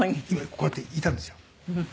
こうやっていたんですよ。